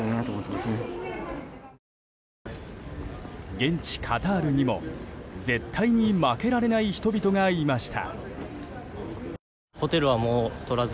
現地カタールにも、絶対に負けられない人々がいました。